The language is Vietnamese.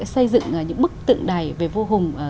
xây dựng những bức tượng đài về vua hùng